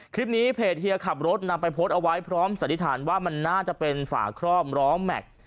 คลิปนี้เพจเฮียขับรถนำไปโพสต์เอาไว้พร้อมสันนิษฐานว่ามันน่าจะเป็นฝาครอบร้อแม็กซ์